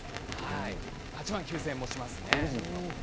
８万９０００円もしますね。